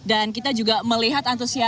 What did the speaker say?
dan kita juga melihat antusiasnya